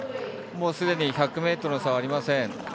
すでに１００ｍの差はありません。